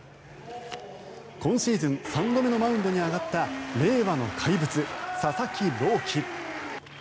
今シーズン３度目のマウンドに上がった令和の怪物、佐々木朗希。